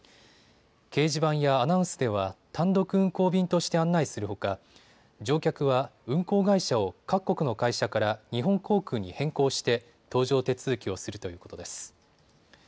掲示板やアナウンスでは単独運航便として案内するほか乗客は運航会社を各国の会社から日本航空に変更して搭乗手続きをするということです。